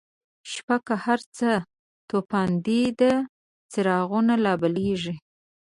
شپه که هرڅه توفانیده، څراغونه لابلیږی